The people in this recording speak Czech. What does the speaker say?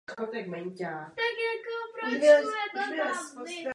O těchto problémech jsme tehdy neuvažovali, nyní bychom však měli.